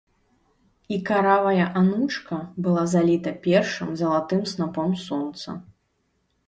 І каравая анучка была заліта першым залатым снапом сонца.